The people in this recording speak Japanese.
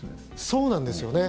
そうなんですよね。